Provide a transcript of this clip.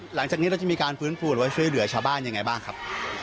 หลังจากนี้เราจะมีการฟื้นฟูหรือว่าช่วยเหลือชาวบ้านยังไงบ้างครับ